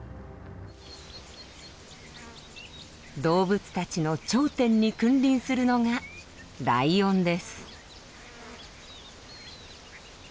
動物たちの頂点に君臨するのがライオンです。